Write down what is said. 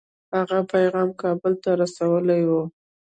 هغه پیغام کابل ته رسولی وو.